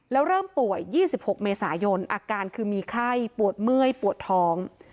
แล้วเริ่มป่วย๒๖เมษายนอาการคือมีไข้ปวดเมื่อยปวดท้อง